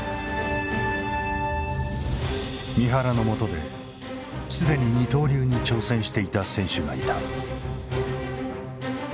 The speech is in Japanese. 三原のもとで既に二刀流に挑戦していた選手がいた。